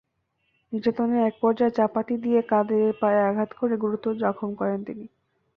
নির্যাতনের একপর্যায়ে চাপাতি দিয়ে কাদেরের পায়ে আঘাত করে গুরুতর জখম করেন তিনি।